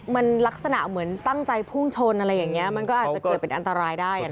มันลักษณะเหมือนตั้งใจพุ่งชนอะไรอย่างนี้มันก็อาจจะเกิดเป็นอันตรายได้